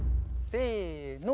せの。